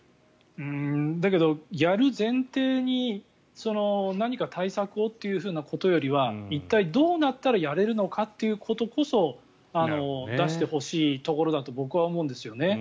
だけど、やる前提に何か対策をということよりかは一体どうなったらやれるのかということこそ出してほしいところだと僕は思うんですよね。